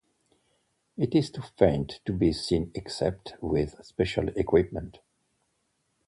It is too faint to be seen except with special equipment.